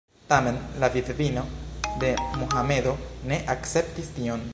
Tamen la vidvino de Mohamedo ne akceptis tion.